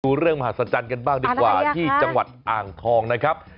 ดูเรื่องมหัศจรรย์กันบ้างดีกว่าที่จังหวัดอ่างทองนะครับ